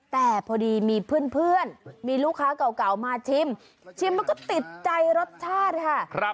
แต่พอดีมีเพื่อนมีลูกค้าเก่ามาชิมชิมแล้วก็ติดใจรสชาติค่ะ